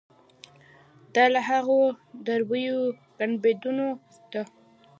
دا له هغو درېیو ګنبدونو ده.